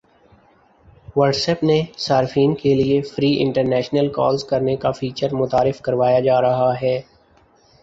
what's app نے صارفین کی لیے فری انٹرنیشنل کالز کرنے کا فیچر متعارف کروایا جا رہا ہے